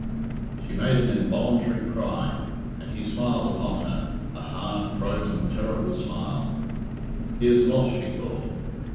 She made an involuntary cry, and he smiled upon her a hard, frozen, terrible smile. "He is lost," she thought.